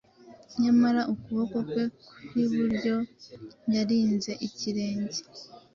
Nyamara ukuboko kwe kwiburyo yarinze ikirenge